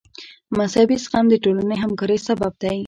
مذهبي زغم د ټولنې همکارۍ سبب دی.